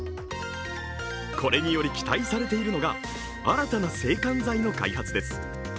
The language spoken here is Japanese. これにより期待されているのが新たな制汗剤の開発です。